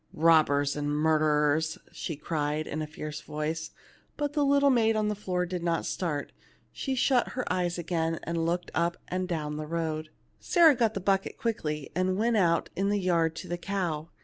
" Bobbers and murderers !" she cried, in a fierce voice ; but the little maid on the floor did not start ; she shut her eyes again, and looked up and down the road. Sarah got a bucket quickly, and went out in the yard to the cow.